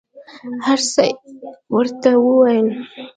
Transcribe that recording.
هر څه یې ورته وویل.